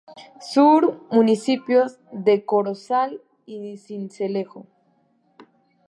Sur: Municipios de Corozal y Sincelejo.